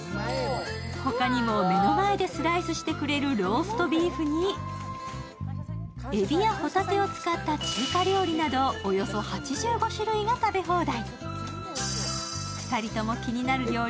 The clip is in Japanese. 他にも目の前でスライスしてくれるローストビーフに、えびやほたてを使った中華料理などおよそ８５種類が食べ放題。